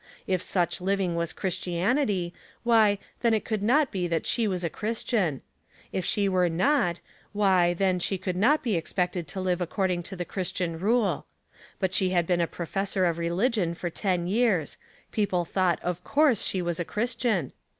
If such living was Christianity, why, then it could not be that she was a Chris tian ; if she were not^ why, then she could not be expected to live according to the Christian rule; but she had been a professor of religion for ten years ; people thought of course she was a Chris tian.